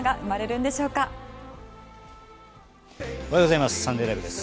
おはようございます。